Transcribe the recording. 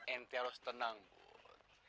enti harus tenang bud